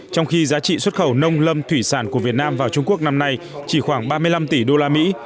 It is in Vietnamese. trong khi giá trị xuất khẩu nông lâm thủy sản của việt nam vào trung quốc năm nay chỉ khoảng ba mươi năm tỷ đô la mỹ